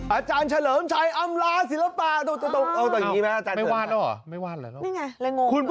อาจารย์เฉลิมชัยอำราศิลปะตรงตรง